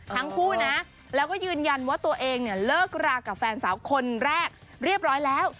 ทั้งคู่นะแล้วก็ยืนยันว่าตัวเองเนี่ยเลิกรากับแฟนสาวคนแรกเรียบร้อยแล้ว